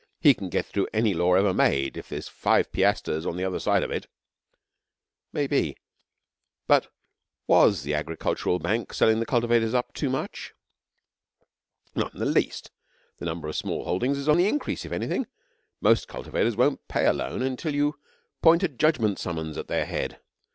He can get through any law ever made if there's five piastres on the other side of it.' 'Maybe; but was the Agricultural Bank selling the cultivators up too much?' 'Not in the least. The number of small holdings is on the increase, if anything. Most cultivators won't pay a loan until you point a judgment summons at their head.